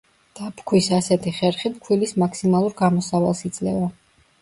დაფქვის ასეთი ხერხი ფქვილის მაქსიმალურ გამოსავალს იძლევა.